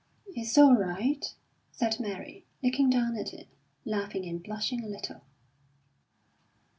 "It's all right," said Mary, looking down at it, laughing and blushing a little.